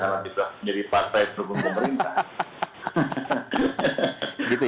karena sudah menjadi partai terhubung pemerintah